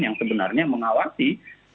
yang sebenarnya mengawasi